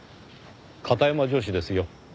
片山女史ですよ。